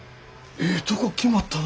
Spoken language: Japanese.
ええとこ決まったな。